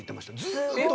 ずっと。